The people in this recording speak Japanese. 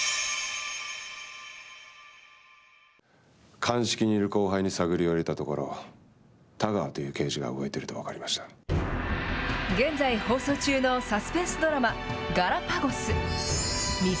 鑑識にいる後輩に探りを入れたところ、田川という刑事が動い現在放送中のサスペンスドラマ、ガラパゴス。